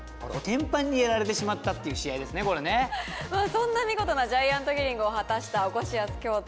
そんな見事なジャイアントキリングを果たしたおこしやす京都。